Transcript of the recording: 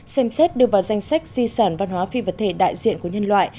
xem xét đưa vào danh sách di sản văn hóa phi vật thể đại diện của nhân loại